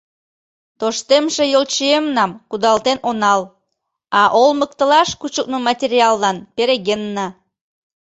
Тоштемше йолчиемнам кудалтен онал, а олмыктылаш кучылтмо материаллан перегенна.